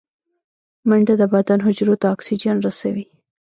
منډه د بدن حجرو ته اکسیجن رسوي